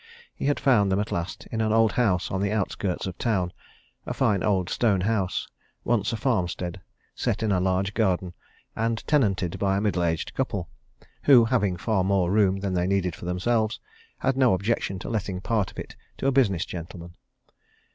He had found them at last in an old house on the outskirts of the town a fine old stone house, once a farmstead, set in a large garden, and tenanted by a middle aged couple, who having far more room than they needed for themselves, had no objection to letting part of it to a business gentleman.